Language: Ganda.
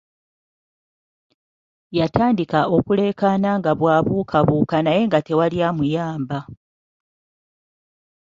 Yatandika okulekaana nga bwabuukabuuka naye nga tewali amuyamba!